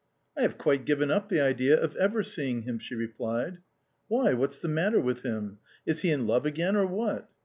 " I have quite given up the idea of ever seeing him," she replied. " Why, what's the matter with him ? Is he in love again, or what ?